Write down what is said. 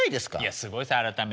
すごいです改めて。